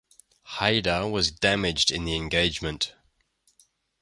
"Haida" was damaged in the engagement.